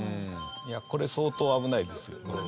いやこれ相当危ないですよこれ。